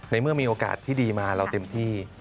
เมื่อมีโอกาสที่ดีมาเราเต็มที่